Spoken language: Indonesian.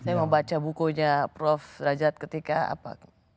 saya mau baca bukunya prof rajat ketika apa